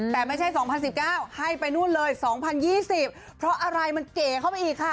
แต่ไม่ใช่๒๐๑๙ให้ไปนู่นเลย๒๐๒๐เพราะอะไรมันเก๋เข้าไปอีกค่ะ